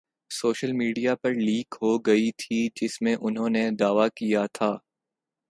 social media پر leak ہوگئی تھی جس میں انہوں نے دعویٰ کیا تھا